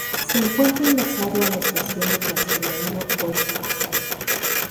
Se encuentra enlazado a la estación de TransMilenio, Boyacá.